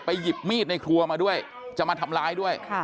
หยิบมีดในครัวมาด้วยจะมาทำร้ายด้วย